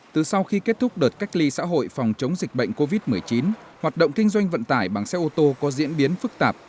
từ sau khi kết thúc đợt cách ly xã hội phòng chống dịch bệnh covid một mươi chín hoạt động kinh doanh vận tải bằng xe ô tô có diễn biến phức tạp